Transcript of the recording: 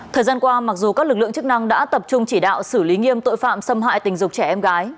thời gian qua mặc dù các lực lượng chức năng đã tập trung chỉ đạo xử lý nghiêm tội phạm xâm hại tình dục trẻ em gái